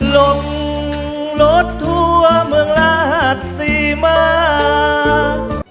ลมรถทั่วเมืองราชสีมา